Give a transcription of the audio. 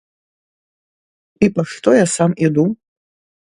І па што я сам іду?